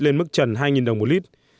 lên mức trần hai đồng một lit